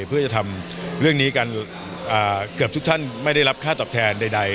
เพื่อจะทำเรื่องนี้กันเกือบทุกท่านไม่ได้รับค่าตอบแทนใด